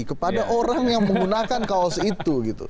kepada orang yang menggunakan kaos itu